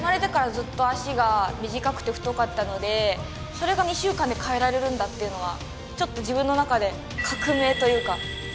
それが２週間で変えられるんだっていうのはちょっと自分の中で革命というか。